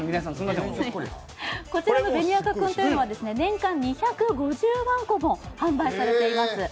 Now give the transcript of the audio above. こちらのべにあかくんというのは年間２５０万個も製造されています。